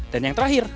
dan yang terakhir